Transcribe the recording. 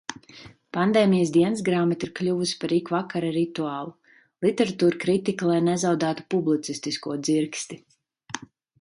Pandēmijas dienasgrāmata ir kļuvusi par ikvakara rituālu. Literatūrkritika, lai nezaudētu publicistisko dzirksti.